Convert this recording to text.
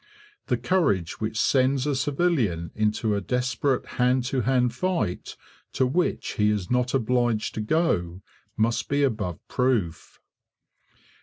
The courage which sends a civilian into a desperate hand to hand fight, to which he is not obliged to go, must be above proof.